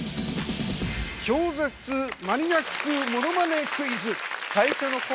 「超絶マニアックモノマネクイズ」。